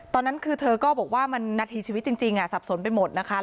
ตอนนั้นคือเธอก็บอกว่ามันนาทีชีวิตจริงสับสนไปหมดนะคะ